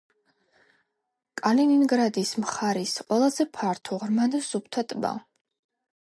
კალინინგრადის მხარის ყველაზე ფართო, ღრმა და სუფთა ტბა.